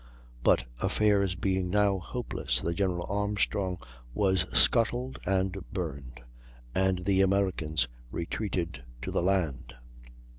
But affairs being now hopeless, the General Armstrong was scuttled and burned, and the Americans retreated to the land.